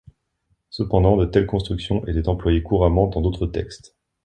Cependant, de telles constructions étaient employées couramment dans d'autres textes.